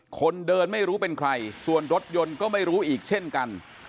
คนเดินไม่รู้เป็นใครส่วนรถยนต์ก็ไม่รู้อีกเช่นกัน